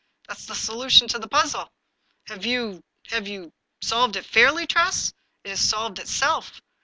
"" That's the solution to the puzzle." " Have you — have you solved it fairly, Tress ?"" It has solved itself.